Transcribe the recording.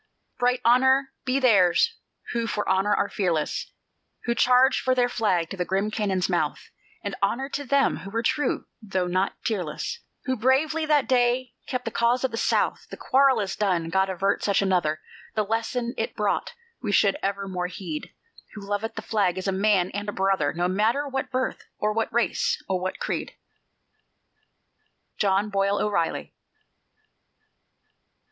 Bright honor be theirs who for honor were fearless, Who charged for their flag to the grim cannon's mouth; And honor to them who were true, though not tearless, Who bravely that day kept the cause of the South. The quarrel is done God avert such another; The lesson it brought we should evermore heed: Who loveth the Flag is a man and a brother, No matter what birth or what race or what creed. JOHN BOYLE O'REILLY.